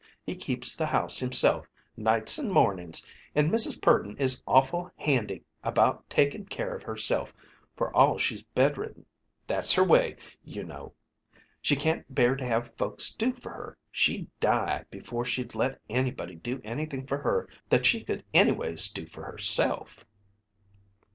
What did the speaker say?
He keeps the house himself, nights and mornings, and Mrs. Purdon is awful handy about taking care of herself, for all she's bedridden. That's her way, you know. She can't bear to have folks do for her. She'd die before she'd let anybody do anything for her that she could anyways do for herself!"